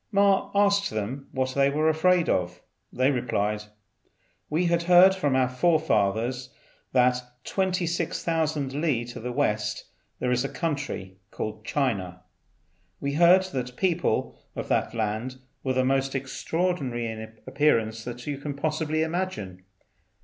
Ma asked them what they were afraid of. They replied, "We had heard from our forefathers that 26,000 li to the west there is a country called China. We had heard that the people of that land were the most extraordinary in appearance you can possibly imagine.